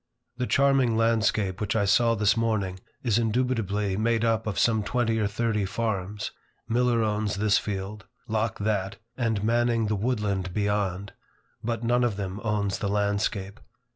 The charming landscape which I saw this morning, is indubitably made up of some twenty or thirty farms. Miller owns this field, Locke that, and Manning the woodland beyond. But none of them owns the landscape.